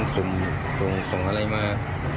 สุ่มส่งอะไรมา